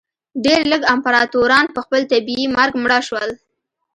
ډېر لږ امپراتوران په خپل طبیعي مرګ مړه شول.